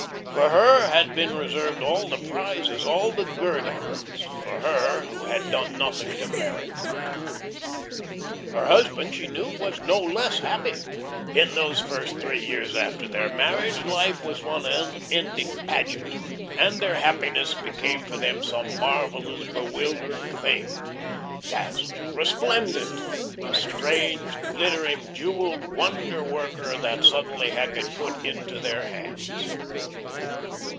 For her had been reserved all the prizes, all the guerdons; for her who had done nothing to merit them. Her husband she knew was no less happy. In those first three years after their marriage, life was one unending pageant; and their happiness became for them some marvellous, bewildering thing, dazzling, resplendent, a strange, glittering, jewelled Wonder worker that suddenly had been put into their hands.